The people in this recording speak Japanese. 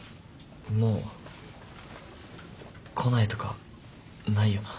もう来ないとかないよな？